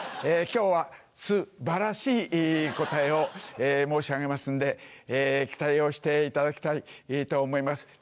今日はすバラしい答えを申し上げますんで期待をしていただきたいと思います。